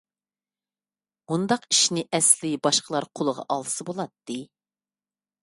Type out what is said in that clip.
مۇنداق ئىشنى ئەسلى باشقىلار قولىغا ئالسا بولاتتى.